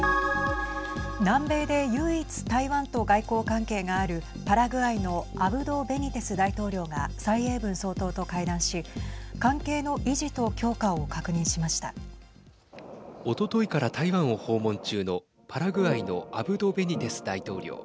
南米で唯一台湾と外交関係があるパラグアイのアブド・ベニテス大統領が蔡英文総統と会談し関係の維持と強化をおとといから台湾を訪問中のパラグアイのアブド・ベニテス大統領。